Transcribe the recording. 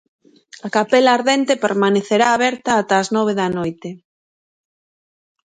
A capela ardente permanecerá aberta ata as nove da noite.